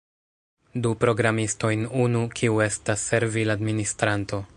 Du programistojn unu, kiu estas servil-administranto